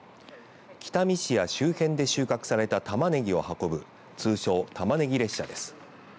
北見市や周辺で収穫されたたまねぎを運ぶ通称、たまねぎ列車です。